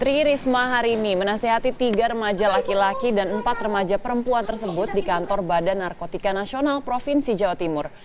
tri risma hari ini menasehati tiga remaja laki laki dan empat remaja perempuan tersebut di kantor badan narkotika nasional provinsi jawa timur